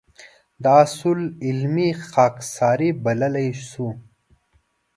دا اصول علمي خاکساري بللی شو.